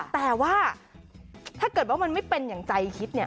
แต่ว่าถ้าเกิดว่ามันไม่เป็นอย่างใจคิดเนี่ย